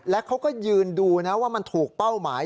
และเขาก็ยืนดูนะว่ามันถูกเป้าหมาย